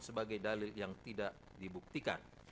sebagai dalil yang tidak dibuktikan